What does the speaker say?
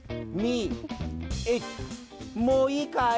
もういいかい？